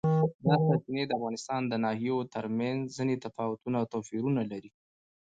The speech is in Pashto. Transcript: دا سرچینې د افغانستان د ناحیو ترمنځ ځینې تفاوتونه او توپیرونه راولي.